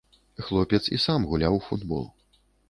Хлопец і сам гуляў у футбол.